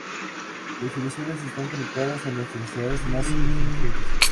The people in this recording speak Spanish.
Las emociones están conectadas a nuestras necesidades más esenciales.